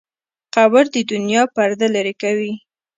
قبر د دنیا پرده لرې کوي.